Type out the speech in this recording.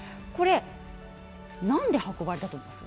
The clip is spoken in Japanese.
何で、運ばれたと思いますか？